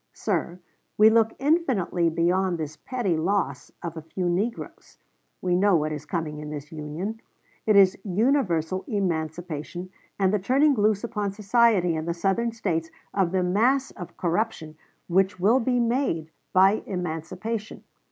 Sir, we look infinitely beyond this petty loss of a few negroes. We know what is coming in this Union. It is universal emancipation and the turning loose upon society in the Southern States of the mass of corruption which will be made by emancipation.